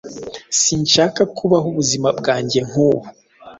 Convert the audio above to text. Sinshaka kubaho ubuzima bwanjye nkubu.